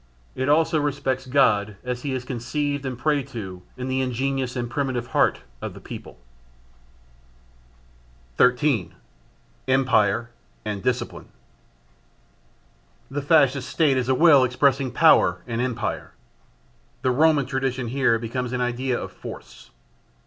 It also respects God as he is conceived and prayed to in the ingenuous and primitive heart of the people. 13. Empire and Discipline. The Fascist State is a will expressing power and empire. The Roman tradition here becomes an idea of force.